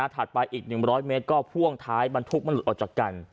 ไปอีก๑๐๐เมตรก็พ่วงท้ายบรรทุกมันหลุดออกจากกัน